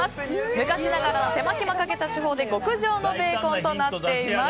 昔ながらの手間暇かけた手法で極上のベーコンとなっています。